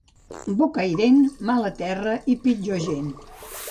Bocairent, mala terra i pitjor gent.